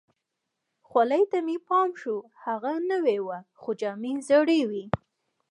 خولۍ ته مې پام شو، هغه نوې وه، خو جامې زړې وي.